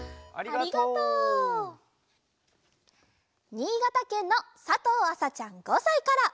にいがたけんのさとうあさちゃん５さいから。